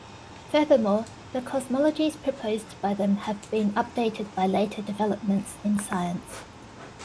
Furthermore, the cosmologies proposed by them have been updated by later developments in science.